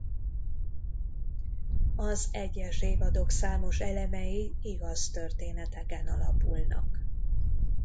Az egyes évadok számos elemei igaz történeteken alapulnak.